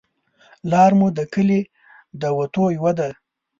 لار مو د کلي د وتو یوه ده